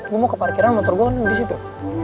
gue mau ke parkiran motor gue kan disitu